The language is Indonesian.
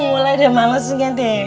akan mulai deh males ganteng